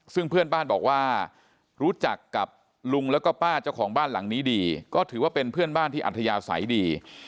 ซึ่งเพื่อนบ้านบอกว่ารู้จักกับลุงแล้วก็ป้าเจ้าของบ้านหลังนี้ดีก็ถือว่าเป็นเพื่อนบ้านที่อัธยาศัยดี